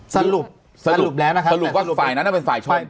สรุปสรุปแล้วนะครับสรุปว่าฝ่ายนั้นเป็นฝ่ายช่อง